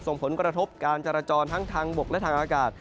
ส่งผลกระทบการจราจรทั้งทางบกและทางอากาศ